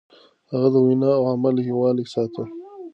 هغه د وينا او عمل يووالی ساته.